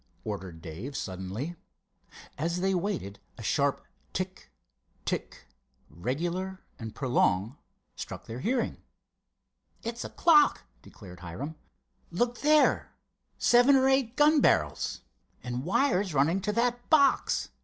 ordered Dave, suddenly. As they waited a sharp tick—tick, regular and prolonged, struck their hearing. "It's a clock," declared Hiram. "Look there—seven or eight gun barrels. And wires running to that box.